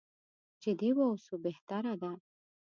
جدي واوسو بهتره ده.